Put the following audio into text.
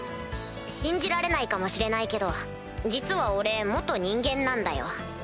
信じられないかもしれないけど実は俺人間なんだよ。